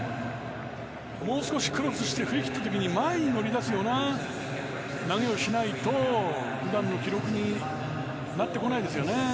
もう少しクロスして振り切った時に前に乗り出すような投げをしないと普段の記録になってこないですよね。